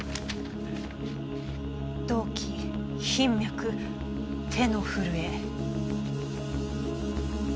「動悸頻脈手の震え」。